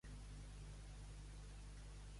Quins són els llistats que tinc emmagatzemats?